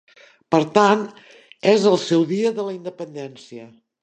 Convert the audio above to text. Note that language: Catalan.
Per tant, és el seu dia de la independència.